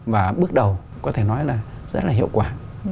và bước đầu có thể nói là rất là hiệu quả